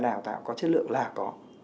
đào tạo có chất lượng là có